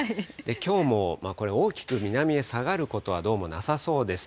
きょうもこれ、大きく南へ下がることはどうもなさそうです。